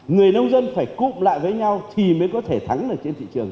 người nông dân phải cúp lại với nhau thì mới có thể thắng được trên thị trường